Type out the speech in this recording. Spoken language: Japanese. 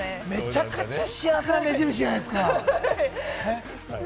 めちゃくちゃ幸せな目印じゃないですか。